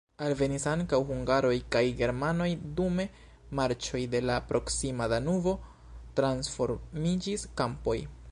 Alvenis ankaŭ hungaroj kaj germanoj, dume marĉoj de la proksima Danubo transformiĝis kampoj.